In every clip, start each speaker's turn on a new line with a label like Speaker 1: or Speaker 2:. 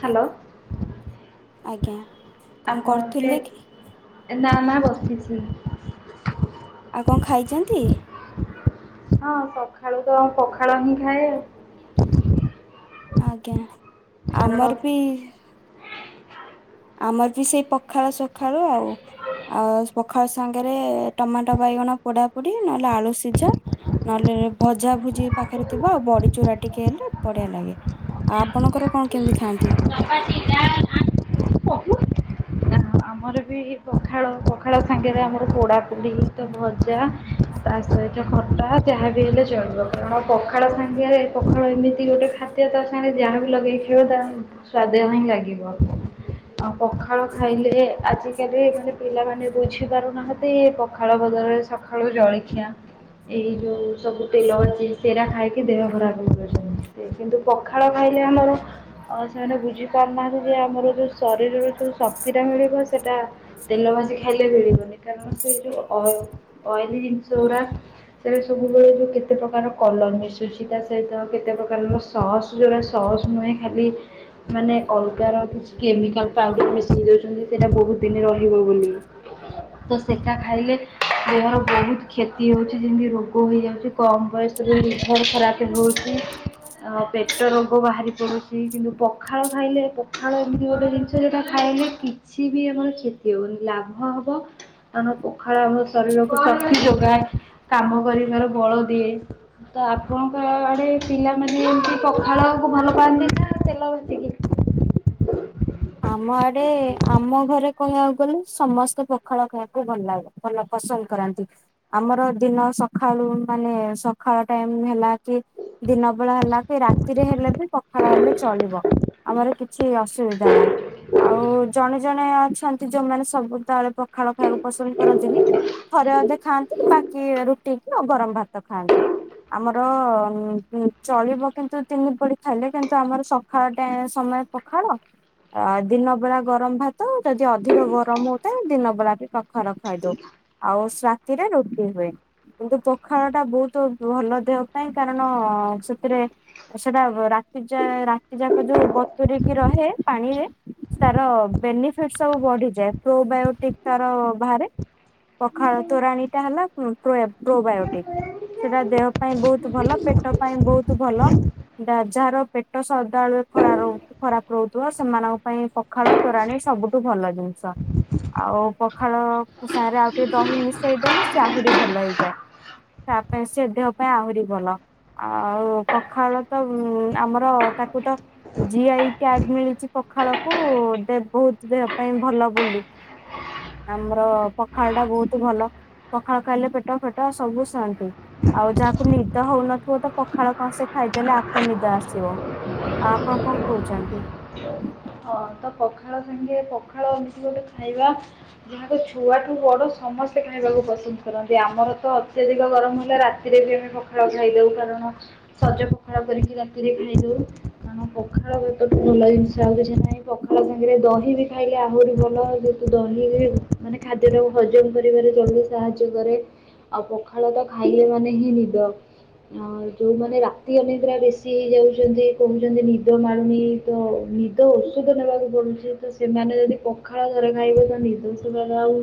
Speaker 1: Hello.
Speaker 2: ଆଜ୍ଞା। କଣ
Speaker 1: ଆପଣ ବି
Speaker 2: କରୁଥିଲେ କି?
Speaker 1: ନା ନା ବସିଛି।
Speaker 2: ଆଉ କଣ ଖାଇଛନ୍ତି?
Speaker 1: ହଁ ସକାଳୁ ତ ପଖାଳ ହିଁ ଖାଏ ଆଉ।
Speaker 2: ଆଜ୍ଞା
Speaker 1: କାରଣ
Speaker 2: ଆମର ବି ଆମର ବି ସେଇ ପଖାଳ ସଖାଳୁ ଆଉ। ଆଉଖ ତା ସାଙ୍ଗରେ ଟମାଟୋ ବାଇଗଣ ପୋଡା ପୋଡ଼ି ନହେଲେ ଆଳୁ ସିଝା। ନହେଲେ ଭଜା ଭୁଜି ପାଖରେ ଥିବ ଆଉ ବଡି ଚୁରା ଟିକେ ହେଲେ ବଢିଆ ଲାଗେ। ଆପଣଙ୍କର କଣ କେମିତି ଖାଆନ୍ତି?
Speaker 1: ଚପାତି ନା ଆମର ବି ପଖାଳ ପଖାଳ ସାଙ୍ଗରେ ଆମର ପୋଡ଼ାପୋ଼ ତ ଭଜା ତା ସହିତ ଖଟା ଯାହା ବି ହେଲେ ଚଳିବ କାରଣ ପଖାଳ ସାଙ୍ଗିରେ ପଖାଳ ଏମିତି ଗୋଟେ ଖାଦ୍ୟ ତା ସାଙ୍ଗରେ ଯାହା ବି ଲଗେଇ ଖାଇବ ତା ସ୍ଵାଦ ହିଁ ଲାଗିବ। ଆଉ ପଖାଳ ଖାଇଲେ ଆଜିକାଲି ମାନେ ପିଲାମାନେ ବୁଝି ପାରୁନାହାନ୍ତି ପଖାଳ ବଦଳରେ ସକାଳୁ ଜଳଖିଆ। ଏଇ ଯୋଉ ସବୁ ତେଲ ଅଛି ସେଇରା ଖାଇକି ଦେହ ଖରାପ ହେଇଯାଉଛନ୍ତି। ଜେ କିନ୍ତୁ ପଖାଳ ଖାଇଲେ ଆମର ଆ ସେମାନେ ବୁଝି ପାରୁନାହାନ୍ତି ଯେ ଆମର ଯୋଉ ଶରୀରର ଯୋଉ ଶକ୍ତି ଟା ମିଳିବ ସେଟା ତେଲ ଭାଜି ଖାଇଲେ ମିଳିବନି କାରଣ ସେଇ ଯୋଉ ଅ ଅଏଲି ଜିନିଷ ଗୁରା। ସେଟ ସବୁବେଳେ ଯୋଉ କେତେ ପ୍ରକାର କଲର ମିଶୁଛି ତା ସହିତ କେତେ ପ୍ରକାରର ସସ୍ ଯେଉରା ସସ୍ ନୁହେଁ ଖାଲି ମାନେ ଅଲଗା ର କିଛି କେମିକାଲ ପାଉଡର ମିଶେଇ ଦେଉଛନ୍ତି। ସେଇଟା ବହୁତ ଦିନ ରହିବ ବୋଲି। ତ ସେଟା ଖାଇଲେ ଦେହର ବହୁତ କ୍ଷତି ହଉଛି ଯେମିତି ରୋଗ ହେଇଯାଉଛି। କମ ବୟସରେ ଲିଭର ଖରାପ ହଉଛି। ଆ ପେଟ ରୋଗ ବାହାରି ପଡୁଛି କିନ୍ତୁ ପଖାଳ ଖାଇଲେ ପଖାଳ ଏମିତି ଗୋଟେ ଜିନିଷ ଟା ଖାଇଲେ କିଛି ବି ଆମର କ୍ଷତି ହେଉନି ଲାଭ ହେବ। ଆମ ପଖାଳ ଆମ ଶରୀରକୁ ଶକ୍ତି ଯୋଗାଏ କାମ କରିବାର ବଳ ଦିଏ। ତ ଆପଣଙ୍କ ଆଡେ ପିଲାମାନୋନ ଏମତି ପଖାଳ କୁ ଭଲ ପାଆନ୍ତି ନା ତେଲ ଭାସି
Speaker 2: ଆମ ଆଡେ ଆମ ଘରେ କହିବାକୁ ଗଲେ ସମସ୍ତେ ପଖାଳ ଖାଇବାକୁ ଭଲ ଲାଗେ। ମନ ପସନ୍ଦ କରାନ୍ତି। ଆମର ଦିନ ସକାଳୁ ମାନେ ସକାଳ ଟାଇମ ହେଲା କି ଦିନ ବେଳା ହେଲା କି ରାତିରେ ହେଲେ ବି ପଖାଳ ହେଲେ ଚଳିବ। ଆମର କିଛି ଅସୁବିଧା ନାହିଁ। ଆଉ ଜଣେ ଜଣେ ଅଛନ୍ତି ଯୋଉମାନେ ସବୁ ତାଳେ ପଖାଳ ଖାଇବାକୁ ପସନ୍ଦ କରନ୍ତିନି। ଥରେ ଅଧେ ଖାଆନ୍ତି ବାକି ରୁଟି ଆଉ ଗରମ ଭାତ ଖାଆନ୍ତି। ଆମର ଉ ଚଳିବ କିନ୍ତୁ ତିନି ପଡି ଖାଇଲେ କିନ୍ତୁ ଆମର ସକାଳ ସମୟ ପଖାଳ। ଆ ଦିନ ବେଳା ଗରମ ଭାତ ଯଦି ଅଧିକ ଗରମ ହଉଥାଏ ଦିନ ବଳା ବି ପାଖାଳ ଖାଇଦଉ। ଆଉ ରାତିରେ ରୁଟି ହୁଏ। କିନ୍ତୁ ପଖାଳ ଟା ବହୁତ ଭଲ ଦେହ ପାଇଁ କାରଣ ସେଥିରେ ସେଟା ରାତି ଯା ରାତି ଯାକ ଯୋଉ ବତୁରିକି ରହେ ପାଣିରେ ତାର ବେନିଫିଟ ସବୁ ବଢିଯାଏ ପ୍ରୋବାୟୋଟିକ ତାର ବାହାରେ। ପଖାଳ ତୋରାଣୀଟା ହେଲା ପ୍ରୋବାୟୋଟିକ। ସେଟା ଦେହ ପାଇଁ ବହୁତ ଭଲ ପେଟ ପାଇଁ ବହୁତ ଭଲ। ରାଜ ଯା ର ପେଟ ସଦାବେଳେ ଖରା ର ଖରାପ ରହୁଛି। ସେମାନଙ୍କ ପାଇଁ ପଖାଳ ତୋରାଣି ସବୁଠୁ ଭଲ ଜିନିଷ। ଆଉ ପଖାଳ ଖୋ ସାଙ୍ଗରେ ଆଉ ଟିକେ ଦହି ମିଶେଇଦେଲେ ସେ ଆହୁରି ଭଲ ହେଇଯାଏ। ତା ପାଇଁ ସେ ଦେହ ପାଇଁ ଆହୁରି ଭଲ। ଆଉ ପଖାଳ ତ ଉ ଆମର ତାକୁ ତ ଜିଆଇ ଟ୍ୟାକ ମିଳିଛି ପଖାଳକୁ ଦେ ବହୁତ ଦେହ ପାଇଁ ଭଲ ବୋଲି। ଆମର ପଖାଳ ଟା ବହୁତ ଭଲ। ପଖାଳ ଖାଇଲେ ପେଟ ଫେଟ ସବୁ ଶାନ୍ତି। ଆଉ ଯାହାକୁ ନିଦ ହଉନଥିବ ତ ପଖାଳ କଂସେ ଖାଇଦେଲେ ଆପେ ନିଦ ଆସିବ। ଆଉ ଆପଣ କଣ କହୁଛନ୍ତି?
Speaker 1: [inaudible] ହଁ ତ ପଖାଳ ସାଙ୍ଗେ ପଖାଳ ଏମିତି ଗୋଟେ ଖାଇବା। ଯାହାକୁ ଛୁଆଠୁ ବଡ ସମସ୍ତେ ଖାଇବାକୁ ପସନ୍ଦ କରନ୍ତି। ଆମର ତ ଅତ୍ୟଧିକ ଗରମ ହେଲେ ରାତି ଶୀତ ଦିନେ ବି ପଖାଳ ଖାଇଦଉ କାରଣ ସଜ ପଖାଳ କରିକି ରାତିରେ ଖାଇଦେଉ, କାରଣ ପଖାଳ [unintelligible] ଭଲ ଜିନିଷ ଆଉ କିଛି ନାହିଁ। ପଖାଳ ସାଙ୍ଗରେ ଦହି ବି ଖାଇଲେ ଆହୁରି ଭଲ, ଯେହେତୁ ଦହି ମାନେ ଖାଦ୍ୟଟାକୁ ହଜମ କରିବାରେ ଜଲ୍ଦି। ସାହାଯ୍ୟ କରେ ଆଉ ପଖାଳ ତ ଖାଇଲେ ମାନେ ହିଁ ନିଦ। ଆଉ ଯୋଉମାନେ ରାତି ଅନିଦ୍ରା ବେଶୀ ହେଇଯାଉଛନ୍ତି, କହୁଛନ୍ତି ନିଦ ମାଡୁନୀ [inaudible] ଔଷଧ ଖାଇବାକୁ ପଡୁଛି ତ ସେମାନେ ଯଦି ପଖାଳ ଘର ଖାଇବେ ତ ନିଦଷୋଦ ଆଉ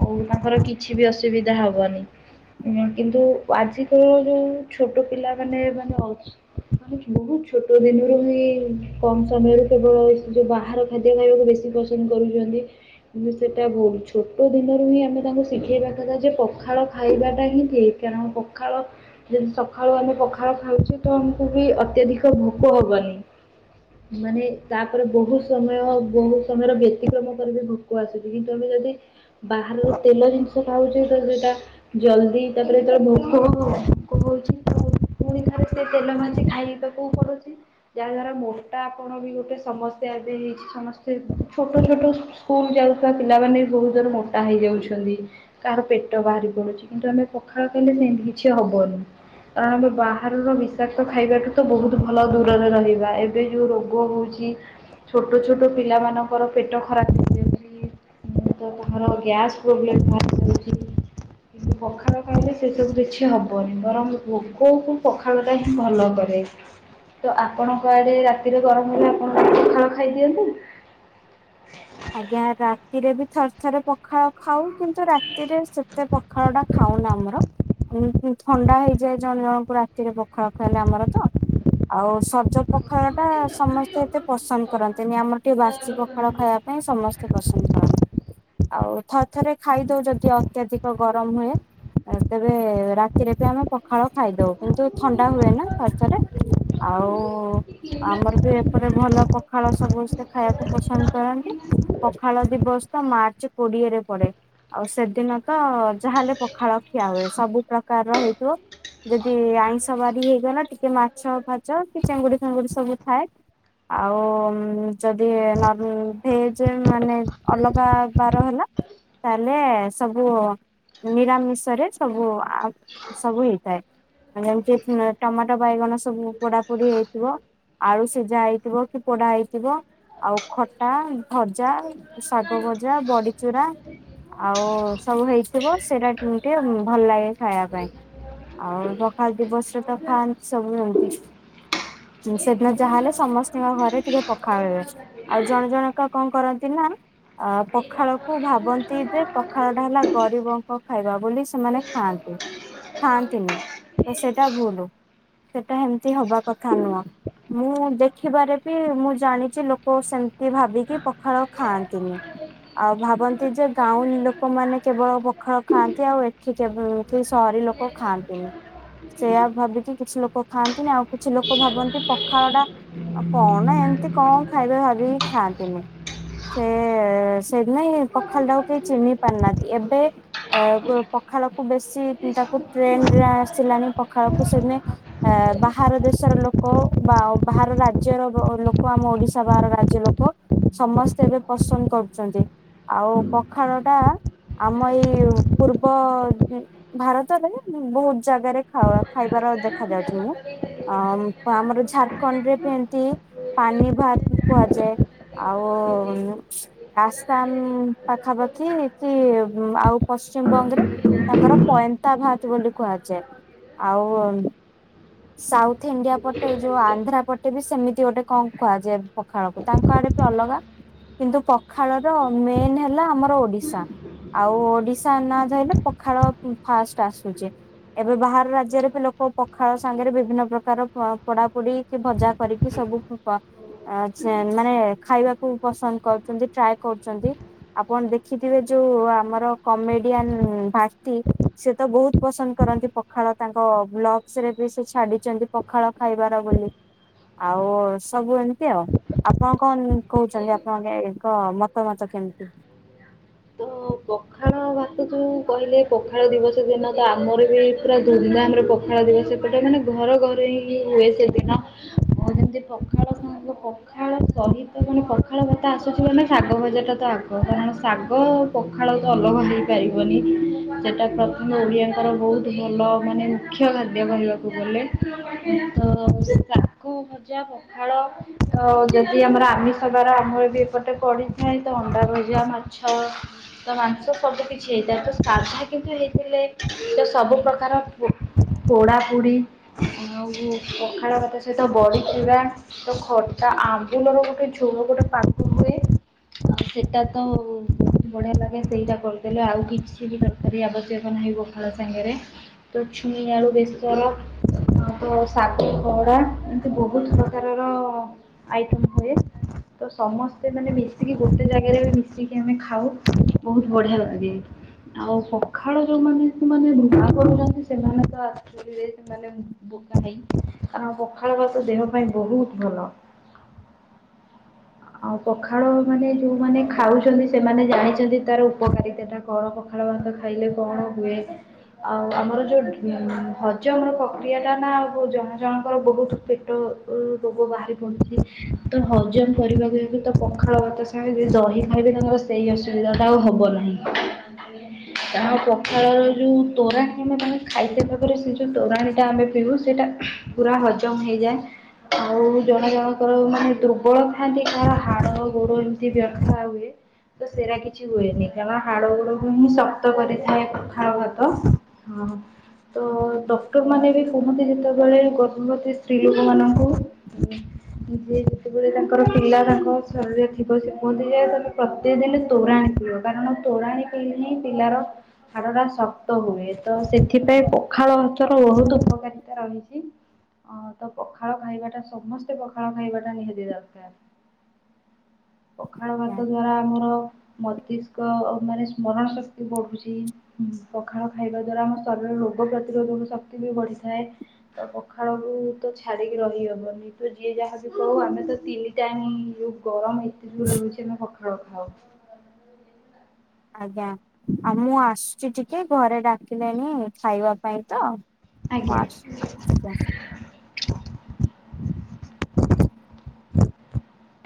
Speaker 1: ହଉ ତାଙ୍କର କିଛି ବି ଅସୁବିଧା ହବନି। କିନ୍ତୁ ଆଜିକାଲିର ଯୋଉ ଛୋଟ ପିଲା ମାନେ ମାନେ ମାନେ ବହୁତ ଛୋଟ ଦିନରୁ ହିଁ କମ ସମୟରୁ କେବଳ ଯୋଉ ବାହାର ଖାଦ୍ୟ ଖାଇବାକୁ ବେଶୀ ପସନ୍ଦ କରୁଛନ୍ତି। କିନ୍ତୁ ସେଇଟା ଭୁଲ। ଛୋଟ ଦିନରୁ ହିଁ ଆମେ ତାଙ୍କୁ ଶିଖେଇବା କଥା ଯେ ପଖାଳ ଖାଇବାଟା ହିଁ ଠିକ। କାରଣ ପଖାଳ ଯଦି ସକାଳୁ ଆମେ ପଖାଳ ଖାଉଛେ ତ ଆମକୁ ବି ଅତ୍ୟଧିକ ଭୋକ ହବନି। ମାନେ ତା ତାପରେ ବହୁତ ସମୟ ବହୁତ ସମୟର ବ୍ୟତିକ୍ରମ କରିବ ଭୋକ ଆସୁଛି କିନ୍ତୁ ଆମେ ଯଦି ବାହାରର ତେଲ ଜିନିଷ ଖାଉଛେ ତ ସେଟା। ଜଲଦି ତାପରେ ଯେତେବେଳେ ଭୋକ ହବ ଭୋକ ହଉଛି। ପୁଣି ଥରେ ସେ ତେଲ ଭାଜି ଖାଇବାକୁ ପଡୁଛି ଯାହା ଦ୍ଵାରା ମୋଟା ପଣ ବି ଗୋଟେ ସମସ୍ତେ ଏବେ ହେଇଛି ସମସ୍ତେ ଛୋଟ ଛୋଟ ସ୍କୁଲ ଯାଉଥିବା ପିଲାମାନେ ବି ବହୁତ ଜୋରେ ମୋଟା ହେଇଯାଉଛନ୍ତି। କାହାର ପେଟ ବାହାରି ପଡୁଛି କିନ୍ତୁ ଆମେ ପଖାଳ ଖାଇଲେ ସେମିତି କିଛି ହବନି। କାରଣ ଆମେ ବାହାରର ବିଶାକ୍ତ ଖାଇବାଠୁ ତ ବହୁତ ଭଲ ଦୂରରେ ରହିବା ଏବେ ଯେଉଁ ରୋଗ ହଉଛି। ଛୋଟ ଛୋଟ ପିଲାମାନଙ୍କର ପେଟ ଖରାପ ହେଇଯାଉଛି। ତ ତାଙ୍କର ଗ୍ୟାସ୍ ପ୍ରୋବ୍ଲେମ୍ ବାହାରି ଯାଉଛି। ପଖାଳ ଖାଇଲେ ସେ ସବୁ କିଛି ହବନି ବରଂ କେୋଉ କେଉଁ ପଖାଳଟା ହିଁ ଭଲ କରେ। ତ ଆପଣଙ୍କଆଡେ ରାତିରେ ଗରମ ହେଲେ ଆପଣ ରାତିରେ ପଖାଳ ଖାଇଦିଅନ୍ତୁ।
Speaker 2: ଆଜ୍ଞା ରାତିରେ ବି ଥରେ ଥରେ ପଖାଳ ଖାଉ କିନ୍ତୁ ରାତିରେ ସେତେ ଖଡ଼ା ଟା ଖାଉନ ଆମର। ଥଣ୍ଡା ହେଇଯାଏ ଜଣେ ଜଣଙ୍କୁ ରାତିରେ ପଖାଳ ଖାଇଲେ ଆମର ତ ଆଉ ସଜ ପଖାଳ ଟା ସମସ୍ତେ ମତେ ପସନ୍ଦ କରନ୍ତିେନି ଆମର ଟିକେ ବାସି ପଖାଳ ଖାଇବା ପାଇଁ ସମସ୍ତେ ପସନ୍ଦ କରନ୍ତି। ଆଉ ଥରେ ଥରେ ଖାଇଦଉ ଯଦି ଅତ୍ୟଧିକ ଗରମ ହୁଏ। ତେବେ ରାତିରେ ବି ଆମେ ପଖାଳ ଖାଇଦଉ କିନ୍ତୁ ଥଣ୍ଡା ହୁଏ ନା ଥରଥରେ ଆଉ ଆମର ବି ଏପଟ ଭଲ ପଖାଳ ସବୁସ୍ତେ ଖାଇବାକୁ ପସନ୍ଦ କରନ୍ତି। ପଖାଳ ଦିବସ ତ ମାର୍ଚ୍ଚ କୋଡିଏରେ ପଡେ। ଆଉ ସେଦିନ ତ ଯାହାଲେ ପଖାଳ ଖିଆ ହୁଏ ସବୁ ପ୍ରକାରର ହେଇଥିବ ଯଦି ଆଇଁଷ ବାରି ହେଇଗଲା ଟିକେ ମାଛ ଫାଚ କି ଚିଙ୍ଗୁଡି ଫାଙ୍ଗୁଡି ସବୁ ଥାଏ। ଆଉ ଯଦି ହେଇଛି ମାନେ ଅଲଗା ବାର ହେଲା ତାହେଲେ ସବୁ ନିରାମିଷ ରେ ସବୁ ଆ ସବୁ ହେଇଥାଏ। ଆ ଯେମିତି ଟମାଟୋ ବାଇଗଣ ସବୁ ପୋଡାପୋଡି ହେଇଥିବ ଆଳୁ ସିଝା ହେଇଥିବ କି ପୋଡା ହେଇଥିବ ଆଉ ଖ ଖଟା, ଭଜା, ଶାଗ ଭଜା ବଡିଚୁରା। ଆଉ ସବୁ ହେଇଥିବ, ସେଇଟା ଟିକେ ଭଲ ଲାଗେ ଖାଇବା ପାଇଁ। ଆଉ ପଖାଳ ଦିବସ ରେ ତ ଖାଆନ୍ତି ସବୁ ଜିନିଷ। ସେଦିନ ଯାହା ହେଲେ ସମସ୍ତଙ୍କ ଘରେ ଟିକେ ପଖାଳ ହେବେ। ଜଣ ଜଣକା କଣ କରନ୍ତି ନା ଅ ପଖାଳ କୁ ଭାବନ୍ତି ଯେ ପଖାଳ ଟା ହେଲା ଗରିବଙ୍କ ଖାଇବା ବୋଲି ସେମାନେ ଖାଆନ୍ତି ଖାଆନ୍ତିନି ତ ସେଇଟା ଭୁଲ। ସେଟା ଏମିତି ହବା କଥା ନୁହଁ। ମୁଁ ଦେଖିବାରେ ବି ମୁଁ ଜାଣିଛି ଲୋକ ସେମତି କିଏ ଭାବିକି ପଖାଳ ଖାଆନ୍ତିନି ଆଉ ଭାବନ୍ତି ଯେ ଗାଉଁଳି ଲୋକମାନେ କେବଳ ପୋଖାଳ ଖାଆନ୍ତି ଆଉ ଏଠି କେବେ ସହରୀ ଲୋକ କ ଖାଆନ୍ତିନି। ସେଇୟା ଭାବିକି କିଛି ଲୋକ ଖାଆନ୍ତିନି, ଆଉ କିଛି ଲୋକ ଭାବନ୍ତି ପଖାଳ ଟା ଆଉ କଣ ନା ଏମିତି କଣ ଖାଇବେ ଭାବିକି ଖାଆନ୍ତିନି। ସେ ସେଦିନାଇ ପଖାଲଟାକୁ କେହି ଚିହ୍ନି ପାରୁନାହାନ୍ତି ଏବେ ପଖାଳକୁ ବେଶୀ ତାକୁ ଟ୍ରେନରେ ଆସିଲାଣି ପଖାଳ କୁ ସେଦିନେ ଆ ବାହାର ଦେଶର ଲୋକ, ବା ବାହାର ରାଜ୍ୟର ଲୋକ ଆମ ଓଡିଶା ବାହାର ରାଜ୍ୟ ଲୋକ ସମସ୍ତେ ଏବେ ପସନ୍ଦ କରୁଛନ୍ତି ଆଉ ପଖାଳ ଟା ଆମ ଏଇ ପୂର୍ବ ଭାରତରେ ବହୁତ ଜାଗାରେ ଖାଇବାର ଦେଖ ଯାଉଛି ମୁଁ। ଆ ଆମର ଝାରଖଣ୍ଡ ରେ ବି ଏମତି ପାନି ଭାତ କୁହାଯାଏ। ଆଉ ଆସାମ ପାଖାପାଖି କି ଆଉ ପଶ୍ଚିମବଙ୍ଗରେ। ତାଙ୍କର ପଏନ୍ତା ଭାତ ବୋଲି କୁହାଯାଏ। ଆଉ ସାଉଥ ଇଣ୍ଡିଆ ପଟେ ଏଇ ଯୋଉ ଆନ୍ଧ୍ରା ପଟେ ବି ସେମିତି ଗୋଟେ କଣ କୁହାଯାଏ ପଖାଳକୁ। ତାଙ୍କ ଆଡେ ଅଲଗା କିନ୍ତୁ ପଖାଳ ର ମେନ ହେଲା ଆମର ଓଡ଼ିଶା। ଆଉ ଓଡ଼ିଶା ନା ରହିଲେ ପଖାଳ ଫାଷ୍ଟ ଆସୁଛି। ଏବେ ବାହାର ରାଜ୍ୟରେ ବି ଲୋକ ପଖାଳ ସାଙ୍ଗରେ ବିଭିନ୍ନ ପ୍ରକାର ପୋଡା ପୋଡି କି ଭଜା କରିକି ସବୁ ପ ପ ମାନେ ଖାଇବାକୁ ପସନ୍ଦ କରୁଛନ୍ତି, ଟ୍ରାଏ କରୁଛନ୍ତି। ଆପଣ ଦେଖିଥିବେ ଯୋଉ ଆମର କମେଡିଆନ ଭାର୍ତି ସେ ତ ବହୁତ ପସନ୍ଦ କରନ୍ତି ପଖାଳ ତାଙ୍କ ବ୍ଲଗ୍ସ ରେ ବି ସେ ଛାଡିଛନ୍ତି ପଖାଳ ଖାଇବାର ବୋଲି ଆଉ ସବୁ ଏମିତି ଆଉ। ଆପଣ କଣ କହୁଛନ୍ତି ଆପଣଙ୍କ ଏକ ମତା ମତ କେମିତି?
Speaker 1: ତ ପଖାଳ ଭାତ ଯୋଉ କହିଲେ ପଖାଳ ଦିବସ ଦିନ ତ ଆମର ବି ପୁରା ଧୁମଧାମରେ ପ ଖାଳ ଦିବସ ଏପଟେ ମାନେ ଘର ଘରେ ହିଁ ହୁଏ ସେଦିନ। ଆଉ ଯେମିତି ପଖାଳ ସାଙ୍ଗକୁ ପଖାଳ ସହିତ ମାନେ ପଖାଳ କଥା ଆସୁଛି ମାନେ ଶାଗ ଭଜା ଟା ତ ଆଗ କାରଣ ଶା ଗ ପଖାଳ ତ ଅଲଗା ହେଇପାରିବନି। ସେଇଟା ପ୍ରଥମେ ଓଡ଼ିଆଙ୍କର ବହୁତ ଭଲ ମାନେ ମୁଖ୍ୟ ଖାଦ୍ୟ କହିବାକୁ ଗଲେ। ତ ସାଗୁ ଭଜା ପଖାଳ ତ ଯଦି ଆମର ଆମିଷ ବାର ଆମର ବି ଏପଟେ ପଡିଥାଏ ତ ଅଣ୍ଡା ଭଜଆ ମା ଛଅ ତ ମାଂସ ସବୁ କିଛି ହେଇଥାଏ ତ ସାଧା କିନ୍ତୁ ହେଇଥିଲେ ତ ସବୁ ପ୍ରକାର ଫୁ ପୋଡ଼ା ପୋଡ଼ି ଆଉ ପଖାଳ ଭାତ ସହିତ ବଡିଚୁରା। ତ ଖଟା ଆମ୍ବୁଲ ପକେଇ ଝୋଳ ଗୋଟେ ପାଗ ହୁଏ ସେଟା ତ ବଢିଆ ଲାଗେ ସେଇଟା କରିଦେଲେ ଆଉ କିଛି ବି ତରକାରୀ ଆବଶ୍ୟକ ନାହିଁ ପଖାଳ ସାଙ୍ଗରେ। ତ ଛୁଇଁ ଆଳୁ ବେସର ଆ ତ ଶାଗ ଖଡା ଏମିତି ବହୁତ ପ୍ରକାରର ଆଇଟମ୍ ହୁଏ। ତ ସମସ୍ତେ ମାନେ ମିଶିକି ଗୋଟେ ଜାଗାରେ ମିଶିକି ଆମେ ଖାଉ ବହୁତ ବଢିଆ ଲାଗେ। ଆଉ ପଖାଳ ଯୋଉମାନେ ସେମାନ ରୁହା କରୁଛନ୍ତି ସେମାନେ ତ ଆକଚୁଆଲିରେ ସେମାନେ ବୋକା ଭାଇ କାରଣ ପଖାଳ ଭାତ ଦେହ ପାଇଁ ବହୁତ ଭଲ। ଆଉ ପଖାଳ ମାନେ ଯୋଉମାନେ ଖାଉ ଚନ୍ତି ସେମାନେ ଜାଣିଛନ୍ତି ତାର ଉପକାରିତାଟା କଣ ପଖାଳ ଭାତ ଖାଇଲେ କଣ ହୁଏ? ଆଉ ଆମର ଯୋଉ ହଜମର ପ୍ରକ୍ରିୟା ଟାନା ଆଉ ଜଣ ଜଣଙ୍କର ବହୁତ ପେଟ ରୋଗ ବାହାରି ପଡୁଛି ତ ହଜମ କରିବାକୁ ତ ପଖାଳ ଭାତ ସାଙ୍ଗେ ଦହି ଖାଇବେ ତାଙ୍କର ସେଇ ଅସୁବିଧାଟା ଆଉ ହବ ନାହିଁ। ଆଉ ପଖାଳର ଯେଉଁ ତୋରାଣି ଆମେ ତାଙ୍କେ ଖାଇସାରିବା ପରେ ସେ ଯେଉଁ ତୋରାଣିଟା ଆମେ ପିଉ ସେଇଟା ପୁରା ହଜମ ହେଇଯାଏ। ଆଉ ଜଣ ଜଣଙ୍କର ମାନେ ଦୁର୍ବଳ ଥାଆନ୍ତି କାହାର ହାଡ ଗୋଡ ଏମିତି ବ୍ୟଥା ହୁ ଏ ତ ସେରା କିଛି ହୁଏନି କାରଣ ହାଡ ଗୋଡକୁ ହିଁ ଶକ୍ତ କରିଥାଏ ପଖାଳ ଭାତ। ହଁ। ତ ଡକ୍ଟରମାନେ ବି କୁହନ୍ତି ଯେତେବେଳେ ଗର୍ଭବତୀ ସ୍ତ୍ରୀ ଲୋକମାନଙ୍କୁ ଯିଏ ଯେତେବେଳେ ତାଙ୍କର ପିଲା ତାଙ୍କ ଶରୀରରେ ଥିବ ସେ କୁହନ୍ତି ଯେ ପ୍ରତ୍ୟେକ ଦିନ ତୋରାଣି ପିଅ କାରଣ ତୋରାଣି ପିଇଲେ ହିଁ ପିଲାର ହାଡଟା ଶକ୍ତ ହୁଏ ତ ସେଥିପାଇଁ ପଖାଳ ଭାତର ବହୁତ ଉପକାରିତା ରହିଛି। ଅ ତ ପଖାଳ ଖାଇବାଟା ସମସ୍ତେ ପଖାଳ ଖାଇବାଟା ନିହାତି ଦରକାର। ପଖାଳ ଭାତ ଦ୍ଵାରା ଆମର ମସ୍ତିଷ୍କ ମାନେ ସ୍ମରଣ ଶକ୍ତି ବଢୁଛି। ହଁ ପଖାଳ ଖାଇବା ଦ୍ଵାରା ଆମ ଶରୀରରେ ରୋଗ ପ୍ରତିରୋଧକ ଶକ୍ତି ବି ବଢିଥାଏ। ତ ପଖାଳକୁ ତ ଛାଡିକି ରହିହବନି। ତ ଯିଏ ଯାହା ବି କହୁ ଆମେ ତ ତିନି ଟାଇମ୍ ଯୋଉ ଗରମ ଏତେ ଜୋରେ ରହୁଛି ଆମେ ପଖାଳ ଖାଉ।
Speaker 2: ଆଜ୍ଞା ଆଉ ମୁଁ ଆସୁଛି ଟିକେ ଘରେ ଡାକିଲେଣି ଖାଇବା ପାଇଁ ତ। ମୁଁ
Speaker 1: ଆଜ୍ଞା।
Speaker 2: ଆସୁଛି ଆଜ୍ଞା।